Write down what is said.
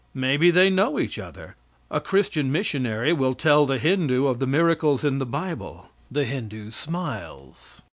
Maybe they know each other. A Christian missionary will tell the Hindoo of the miracles of the bible; the Hindoo smiles.